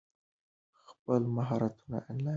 خپل مهارتونه انلاین وپلورئ.